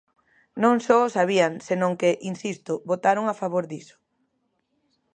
Non só o sabían, senón que, insisto, votaron a favor diso.